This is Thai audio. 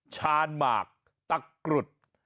ชานหมากตะกรุด